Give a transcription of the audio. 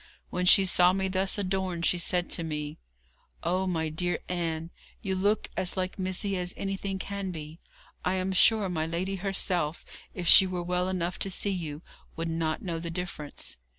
When she saw me thus adorned, she said to me: 'Oh, my dear Ann, you look as like missy as anything can be! I am sure my lady herself, if she were well enough to see you, would not know the difference!'